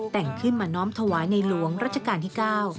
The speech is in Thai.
แต่งขึ้นมาน้อมถวายในหลวงรัชกาลที่๙